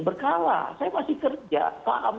berkala saya masih kerja paham